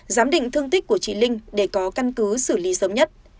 giám định thương tích của chị linh để có căn cứ xử lý sớm nhất